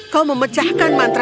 kau memecahkan mantranya